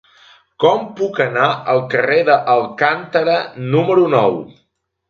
Com puc anar al carrer d'Alcántara número nou?